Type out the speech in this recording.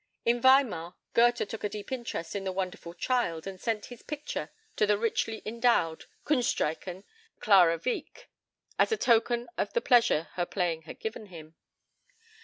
In Weimar, Goethe took a deep interest in the wonderful child, and sent his picture to the "Richly endowed (Kunstreichen) Clara Wieck," as a token of the pleasure her playing had given him.